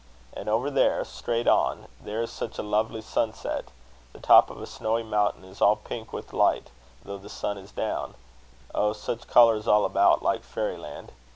And over there, straight on, there is such a lovely sunset. The top of a snowy mountain is all pink with light, though the sun is down oh! such colours all about, like fairyland!